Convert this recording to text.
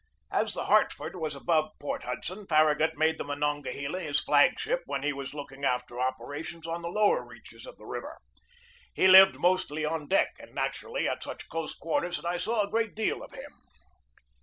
As the Hartford was above Port Hudson, Farragut made the Monongahela his flag ship when he was looking after operations on the lower reaches of the river. He lived mostly on deck and natu rally at such close quarters that I saw a great deal of him.